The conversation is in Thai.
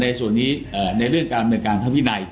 ในส่วนนี้ในเรื่องการแบบประดับการทำพินัย